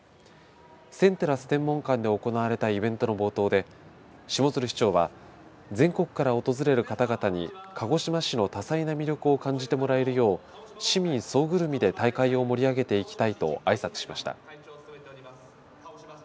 センテラス天文館で行われたイベントの冒頭で下鶴市長は全国から訪れる方々に鹿児島市の多彩な魅力を感じてもらえるよう市民総ぐるみで大会を盛り上げていきたいとあいさつしました。